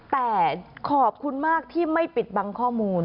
แต่ขอบคุณมากที่ไม่ปิดบังข้อมูล